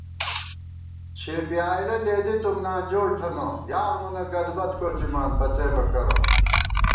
چھېپی آئیلَہ لېدَئیتُم، نانجوڑ تھنہ، یار مونہ گدبت کوڅِمان پڅئیبہ کرہ